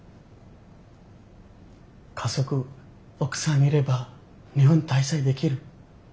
家族奥さんいれば日本滞在できる。